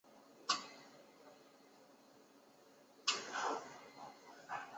属于青藏高原。